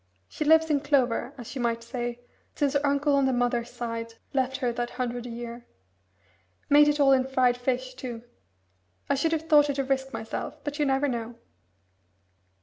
She lives in clover, as you might say, since her uncle on the mother's side left her that hundred a year. Made it all in fried fish, too. I should have thought it a risk myself, but you never know."